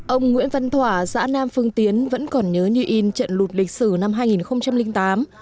ông nguyễn văn thỏa xã nam phương tiến vẫn còn nhớ như in trận lụt lịch sử năm hai nghìn tám